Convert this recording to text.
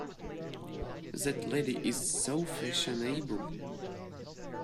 That lady is so fashionable!